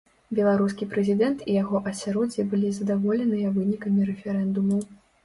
Беларускі прэзідэнт і яго асяроддзе былі задаволеныя вынікамі рэферэндуму.